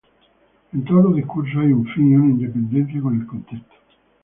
En todos los discursos hay un fin y una independencia con el contexto.